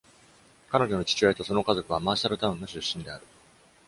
彼女の父親とその家族はマーシャルタウンの出身である。